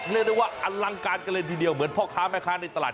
เรียกได้ว่าอลังการกันเลยทีเดียวเหมือนพ่อค้าแม่ค้าในตลาด